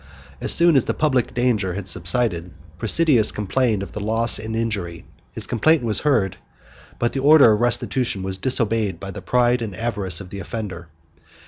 As soon as the public danger had subsided, Presidius complained of the loss and injury: his complaint was heard, but the order of restitution was disobeyed by the pride and avarice of the offender.